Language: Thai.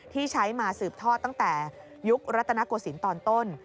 ที่ใช้มาสืบทอดตั้งแต่ยุครัตนโกศิลป์ตอนต้น